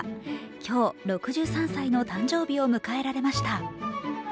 今日、６３歳の誕生日を迎えられました。